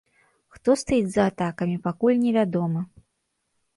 Хто стаіць за атакамі, пакуль невядома.